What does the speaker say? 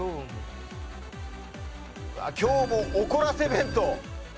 『今日も怒らせ弁当』。